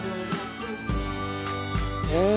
うん。